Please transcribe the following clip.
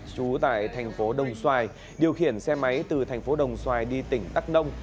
trú tại thành phố đồng xoài điều khiển xe máy từ thành phố đồng xoài đi tỉnh đắk nông